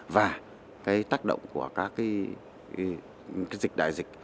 và cái tác động của các cái dịch đại dịch